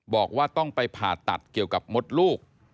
บอกว่าต้องไปผ่าตัดเกี่ยวกับมดลูก